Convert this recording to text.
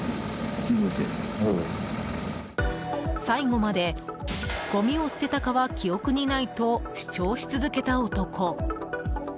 最後まで、ごみを捨てたかは記憶にないと主張し続けた男。